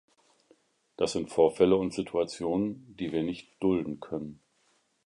Das sind Vorfälle und Situationen, die wir nicht dulden können.